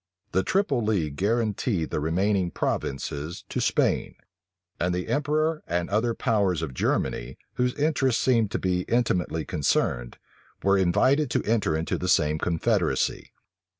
The triple league guarantied the remaining provinces to Spain; and the emperor and other powers of Germany, whose interest seemed to be intimately concerned, were invited to enter into the same confederacy.